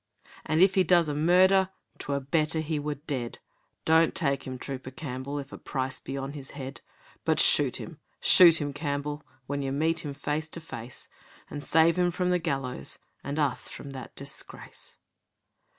'And if he does a murder 'Twere better we were dead. Don't take him, Trooper Campbell, If a price be on his head; But shoot him! shoot him, Campbell, When you meet him face to face, And save him from the gallows, And us from that disgrace.'